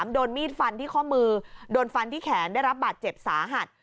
โดนมีดฟันที่ข้อมือโดนฟันที่แขนได้รับบาดเจ็บสาหัส